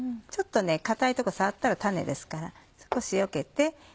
硬いとこ触ったら種ですから少しよけて。